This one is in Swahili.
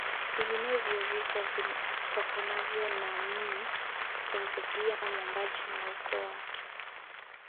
Vinginevyo vifo vitokanavyo na mma humrudia mwombaji na ukoo wake